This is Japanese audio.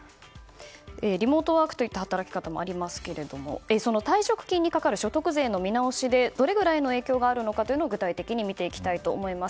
リモートワークといった働き方もありますがその退職金にかかる所得税の見直しでどれぐらいの影響があるのか具体的に見ていきたいと思います。